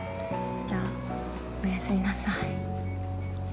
じゃあおやすみなさい。